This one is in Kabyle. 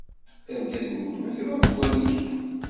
Argaz n weltma-k d aḍewwal-nnek.